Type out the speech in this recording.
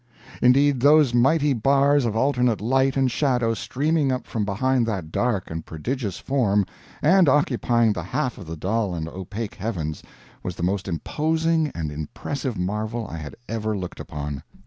Indeed, those mighty bars of alternate light and shadow streaming up from behind that dark and prodigious form and occupying the half of the dull and opaque heavens, was the most imposing and impressive marvel I had ever looked upon.